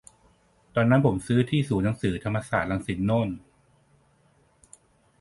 ตอนนั้นผมซื้อที่ศูนย์หนังสือธรรมศาสตร์ รังสิตโน่น